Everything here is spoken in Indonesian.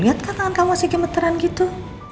lihat katangan kamu masih gemeteran gitu